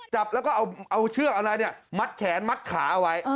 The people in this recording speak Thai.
จับแล้วก็เอาเชือกมัดแขนมัดขาไว้